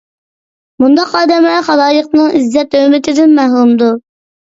مۇنداق ئادەملەر خالايىقنىڭ ئىززەت - ھۆرمىتىدىن مەھرۇمدۇر.